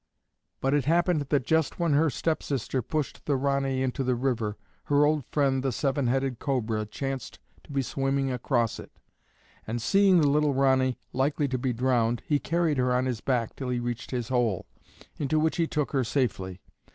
But it happened that just when her stepsister pushed the Ranee into the river her old friend the Seven headed Cobra chanced to be swimming across it, and seeing the little Ranee likely to be drowned, he carried her on his back until he reached his hole, into which he took her safely.